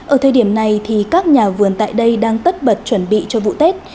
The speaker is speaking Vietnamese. ở thời điểm này thì các nhà vườn tại đây đang tất bật chuẩn bị cho vụ tết